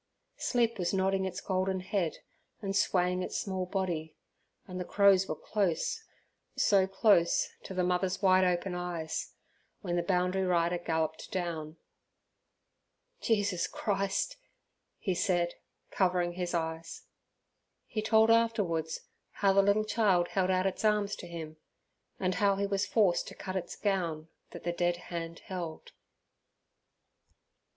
Sleep was nodding its golden head and swaying its small body, and the crows were close, so close, to the mother's wide open eyes, when the boundary rider galloped down. "Jesus Christ!" he said, covering his eyes. He told afterwards how the little child held out its arms to him, and how he was forced to cut its gown that the dead hand held.